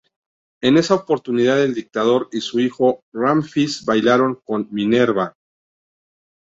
En esa oportunidad el dictador y su hijo Ramfis bailaron con Minerva.